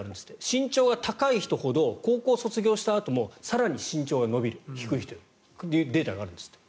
身長が高い人ほど高校卒業したあとも更に身長が伸びる低い人よりもというデータがあるんですって。